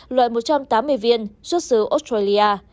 loại một trăm tám mươi viên xuất xứ australia